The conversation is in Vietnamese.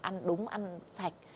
ăn đúng ăn sạch